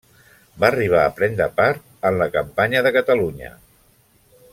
Va arribar a prendre part en la campanya de Catalunya.